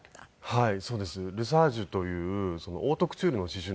はい。